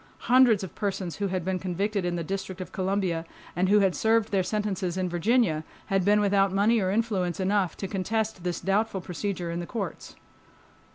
Hundreds of persons who had been convicted in the District of Columbia and who had served their sentences in Virginia had been without money or influence enough to contest this doubtful procedure in the courts.